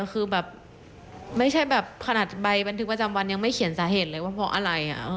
คือแบบไม่ใช่แบบขนาดใบบันทึกประจำวันยังไม่เขียนสาเหตุเลยว่าเพราะอะไร